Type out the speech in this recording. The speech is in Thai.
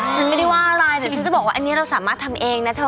ฉันไม่ได้ว่าอะไรแต่ฉันจะบอกว่าอันนี้เราสามารถทำเองนะเธอ